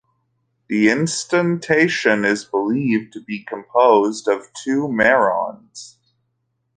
The instanton is believed to be composed of two merons.